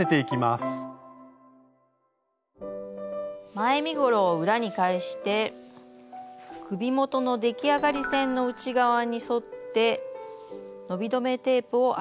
前身ごろを裏に返して首元の出来上がり線の内側に沿って伸び止めテープをアイロンで接着します。